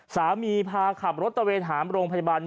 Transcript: พาขับรถตะเวนหามโรงพยาบาล